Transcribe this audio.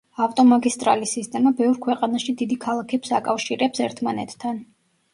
ავტომაგისტრალის სისტემა ბევრ ქვეყანაში დიდი ქალაქებს აკავშირებს ერთმანეთთან.